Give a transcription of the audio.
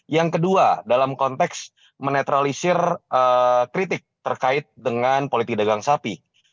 yang kedua dalam konteks menetralisir kritik terkait dengan politik dagang sapi